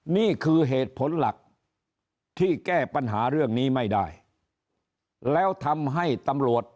นี่คือเหตุผลหลักที่แก้ปัญหาเรื่องนี้ไม่ได้แล้วทำให้ตำรวจ